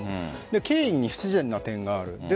経緯に不自然な点がある。